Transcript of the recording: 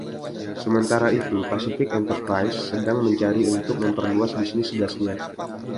Sementara itu, Pacific Enterprises sedang mencari untuk memperluas bisnis gasnya.